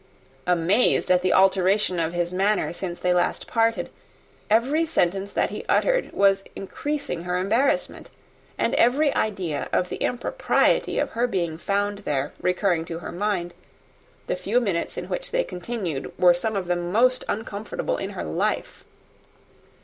Amazed at the alteration of his manner since they last parted, every sentence that he uttered was increasing her embarrassment; and every idea of the impropriety of her being found there recurring to her mind, the few minutes in which they continued together were some of the most uncomfortable of her life.